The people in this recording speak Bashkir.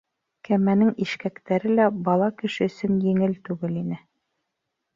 Кәмәнең ишкәктәре лә бала кеше өсөн еңел түгел ине.